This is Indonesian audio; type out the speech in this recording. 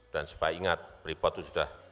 dan supaya ingat pripot itu sudah